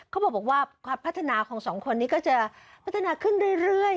เขาบอกว่าความพัฒนาของสองคนนี้ก็จะพัฒนาขึ้นเรื่อย